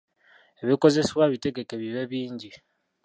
Ebikozesebwa bitegeke bibe bingi.